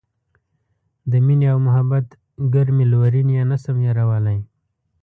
د مینې او محبت ګرمې لورینې یې نه شم هیرولای.